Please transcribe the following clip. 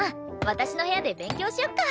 私の部屋で勉強しよっか！